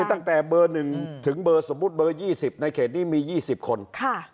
มีตั้งแต่เบอร์หนึ่งถึงเบอร์สมมุติเบอร์ยี่สิบในเขตนี้มียี่สิบคนค่ะ